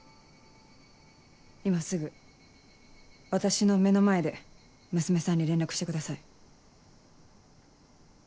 今すぐ私の目の前で娘さんに連絡してください。